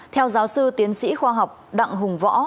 theo giáo sư tiến sĩ khoa học đặng hùng võ